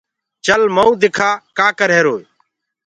چل مئو دکآ ڪآ ڪريهروئي